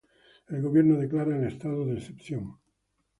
El Gobierno declara el estado de excepción.